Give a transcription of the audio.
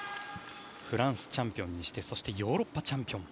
フランスチャンピオンにしてヨーロッパチャンピオン。